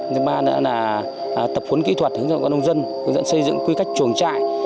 thứ ba nữa là tập huấn kỹ thuật hướng dẫn con nông dân hướng dẫn xây dựng quy cách chuồng trại